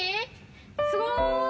すごーい。